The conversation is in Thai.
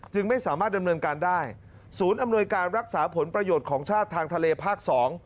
ไม่สามารถดำเนินการได้ศูนย์อำนวยการรักษาผลประโยชน์ของชาติทางทะเลภาค๒